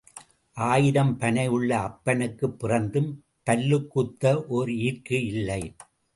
ஆயிரம் பனை உள்ள அப்பனுக்குப் பிறந்தும் பல்லுக் குத்த ஓர் ஈர்க்கு இல்லை.